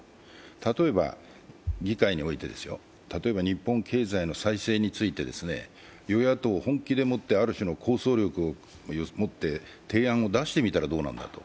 例えば、議会において日本経済の再生について、与野党、本気でもってある種の構想力をもって提案を出してみたらどうなんだと。